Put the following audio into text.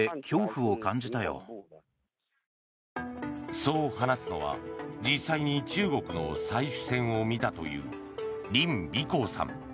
そう話すのは実際に中国の採取船を見たというリン・ビコウさん。